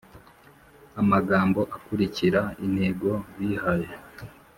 amagambo akurikira intego bihaye